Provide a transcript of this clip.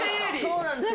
そうなんですよ。